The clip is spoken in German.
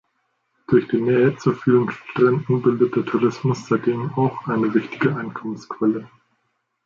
Durch die Nähe zu vielen Stränden bildet der Tourismus seitdem auch eine wichtige Einkommensquelle.